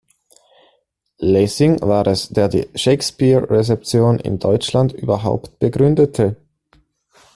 Lessing war es, der die Shakespeare-Rezeption in Deutschland überhaupt begründete.